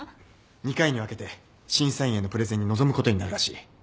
２回に分けて審査員へのプレゼンに臨むことになるらしい。